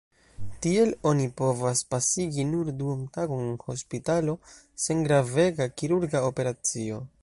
Tiel oni povas pasigi nur duontagon en hospitalo, sen gravega kirurga operacio.